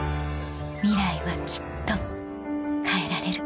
ミライはきっと変えられる